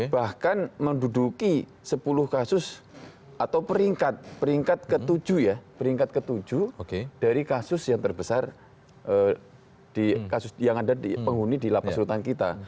bahkan menduduki sepuluh kasus atau peringkat peringkat ke tujuh ya peringkat ke tujuh dari kasus yang terbesar yang ada di penghuni di lapas rutan kita